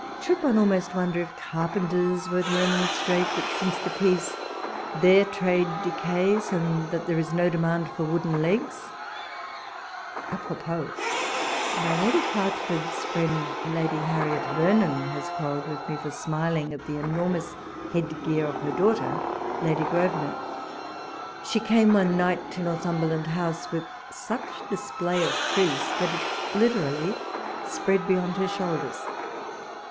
Should one almost wonder if carpenters were to remon strate, that since the peace their trade decays, and that there is no demand for wooden legs ^ Apropos my Lady Hertford's friend. Lady Harriot Vernon, has quarrelled with me for smiling at the enormous head gear of her daughter. Lady Grosvenor. She came one night to Northumberland House with such display of friz, that it literally spread beyond her shoul ders.